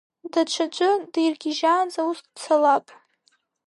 Даҽаӡәы диргьежьаанӡа ус дцалап.